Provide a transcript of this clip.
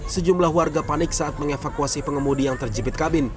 sejumlah warga panik saat mengevakuasi pengemudi yang terjepit kabin